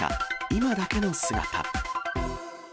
今だけの姿。